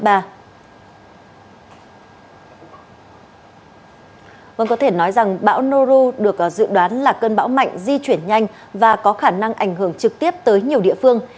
bão noru được dự đoán là cơn bão mạnh di chuyển nhanh và có khả năng ảnh hưởng trực tiếp tới nhiều địa phương